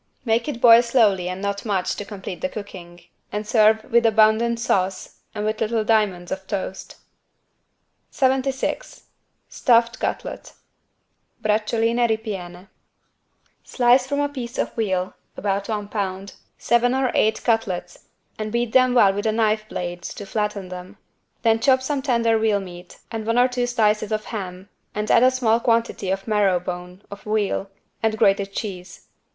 Make it boil slowly and not much to complete the cooking and serve with abundant sauce and with little diamonds of toast. 76 STUFFED CUTLET (Braciuoline ripiene) Slice from a piece of veal (about one pound) seven or eight cutlets and beat them well with a knife blade to flatten them. Then chop some tender veal meat and one or two slices of ham and add a small quantity of marrow bone (of veal) and grated cheese.